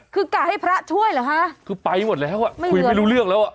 คือกะให้พระช่วยเหรอฮะคือไปหมดแล้วอ่ะคุยไม่รู้เรื่องแล้วอ่ะ